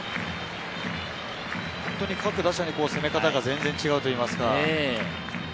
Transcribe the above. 各打者に攻め方が全然違うといいますか。